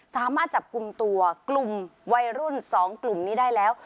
สามารถจับกลุ่มตัวกลุ่มวัยรุ่น๒กลุ่มนี้ได้แล้ว